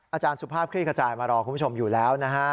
อาจารย์สุภาพคลี่ขจายมารอคุณผู้ชมอยู่แล้วนะฮะ